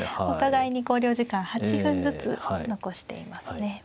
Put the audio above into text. お互いに考慮時間８分ずつ残していますね。